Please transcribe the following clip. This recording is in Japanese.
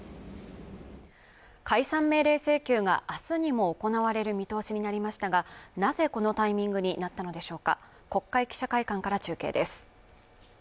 解散命令請求が明日にも行われる見通しになりましたがなぜこのタイミングになったのでしょうか国会記者会館から中継です